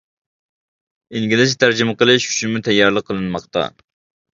ئىنگلىزچە تەرجىمە قىلىش ئۈچۈنمۇ تەييارلىق قىلىنماقتا.